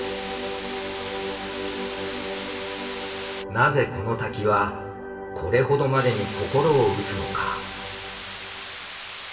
なぜこの滝はこれほどまでに心を打つのか？